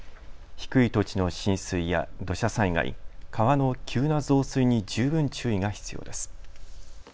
低い土地の浸水や土砂災害、川の急な増水に十分注意が必要です。